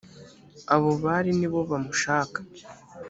abo bari ni bo bamushaka